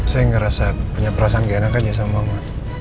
saya ngerasa punya perasaan gak enak aja sama mama